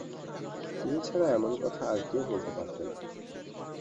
তুমি ছাড়া এমন কথা আর কেউ বলতে পারত না।